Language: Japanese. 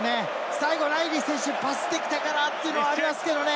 最後ライリー選手、パスできたかなというのありますけれどもね。